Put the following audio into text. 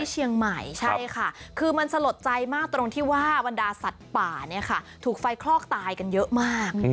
เชียงใหม่ใช่ค่ะคือมันสลดใจมากตรงที่ว่าบรรดาสัตว์ป่าเนี่ยค่ะถูกไฟคลอกตายกันเยอะมาก